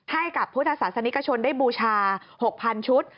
ให้กับพุทธศาสนิกชนได้บูชา๖๐๐๐ชุด